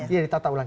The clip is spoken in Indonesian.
iya di tata ulang